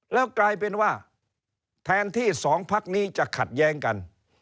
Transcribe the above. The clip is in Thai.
แล้วกลายเป็นว่าแทนที่สองพักนี้จะขัดแย้งกัน